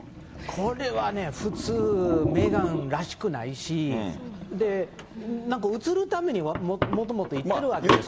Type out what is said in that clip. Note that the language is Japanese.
これはね、普通、メーガンらしくないし、なんか映るためにもともと行ってるわけですから。